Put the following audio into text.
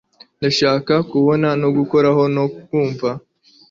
ndashaka kubona, no gukoraho, no kumva